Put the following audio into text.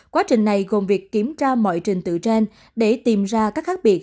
quá trình này gồm việc kiểm tra mọi trình tự trên để tìm ra các khác biệt